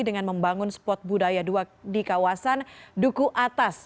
dengan membangun spot budaya dua di kawasan duku atas